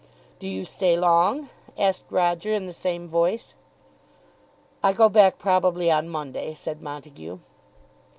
"Do you stay long?" asked Roger in the same voice. "I go back probably on Monday," said Montague.